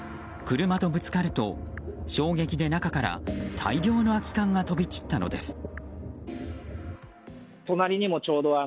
車とぶつかると、衝撃で中から大量の空き缶が飛び散ったのです。